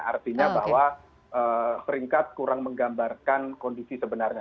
artinya bahwa peringkat kurang menggambarkan kondisi sebenarnya